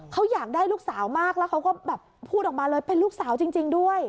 เขาอยากได้ลูกสาวมากแล้วเขาก็แบบพูดออกมาเลยเป็นลูกสาวจริงด้วย